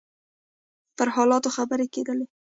پر حالاتو خبرې کېدلې.